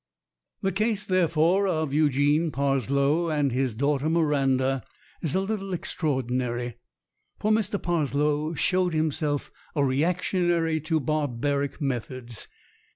The case, therefore, of Eugene Parslow and his daughter Miranda is a little extraordinary, for Mr. Parslow showed himself a reactionary to barbaric methods.